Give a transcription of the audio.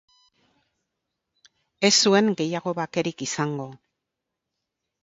Ez zuen gehiago bakerik izango.